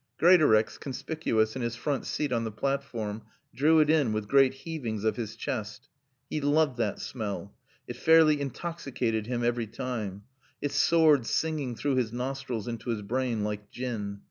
Greatorex, conspicuous in his front seat on the platform, drew it in with great heavings of his chest. He loved that smell. It fairly intoxicated him every time. It soared singing through his nostrils into his brain, like gin.